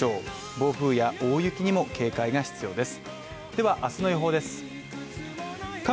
暴風や大雪にも警戒が必要です。